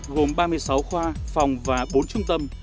gồm ba mươi sáu khoa phòng và bốn trung tâm